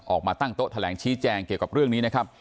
ออกมาตั้งโต๊ะแถลงชี้แจงเกี่ยวกับเรื่องนี้นะครับ